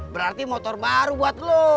berarti motor baru buat lo